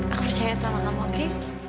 aku percaya sama kamu oke